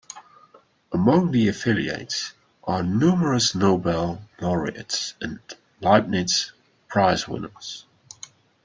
Among the affiliates are numerous Nobel laureates and Leibniz Prize winners.